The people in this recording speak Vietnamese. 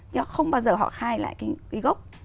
nhưng họ không bao giờ họ khai lại cái gốc